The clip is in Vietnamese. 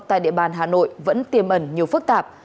tại địa bàn hà nội vẫn tiềm ẩn nhiều phức tạp